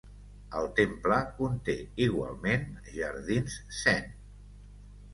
El temple conté igualment jardins zen.